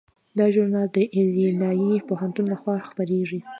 دا ژورنال د ایلینای پوهنتون لخوا خپریږي.